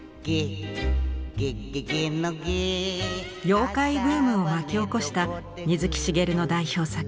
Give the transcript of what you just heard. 妖怪ブームを巻き起こした水木しげるの代表作